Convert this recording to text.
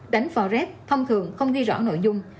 đánh forex thông thường không ghi rõ nội dung